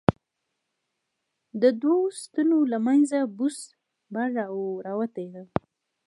د دوو ستنو له منځه بوس بهر را وتي و.